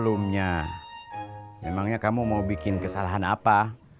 namanya memangnya kamu mau bikin kesalahan apa